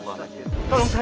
lisan lepaskan aku